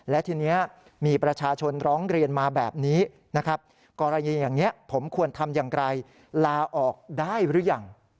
และทีนี้มีประชาชนร้องเรียนมาแบบนี้นะครับกรณีอย่างนี้ผมควรทำอย่างไรลาออกได้หรือยัง